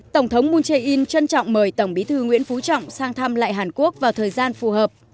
tổng thống moon jae in trân trọng mời tổng bí thư nguyễn phú trọng sang thăm lại hàn quốc vào thời gian phù hợp